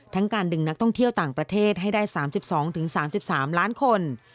ทั้งการดึงต่างประเทศให้ได้๓๒๓๓ล้านคน